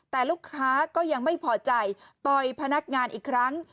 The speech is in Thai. แต่ลูกค้าก็ยังไม่พอใจต่อยพนักงานอีกครั้ง